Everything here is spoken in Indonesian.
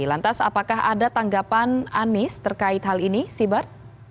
lantas apakah ada tanggapan anies terkait hal ini sibar